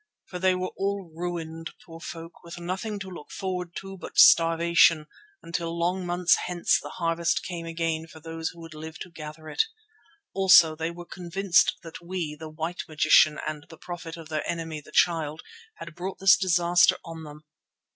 for they were all ruined, poor folk, with nothing to look forward to but starvation until long months hence the harvest came again for those who would live to gather it. Also they were convinced that we, the white magician and the prophet of their enemy the Child, had brought this disaster on them.